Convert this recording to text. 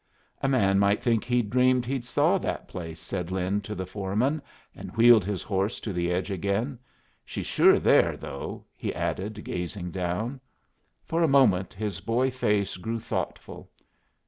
"A man might think he'd dreamed he'd saw that place," said Lin to the foreman, and wheeled his horse to the edge again. "She's sure there, though," he added, gazing down. For a moment his boy face grew thoughtful.